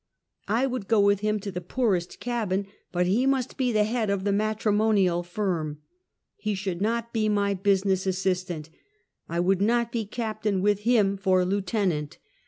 I would go with him to the poor est cabin, but he must be the head of the matrimonial firm. He should not be my business assistant. I would not be captain with him for lieutenant.